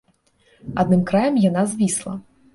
Адным краем яна звісла.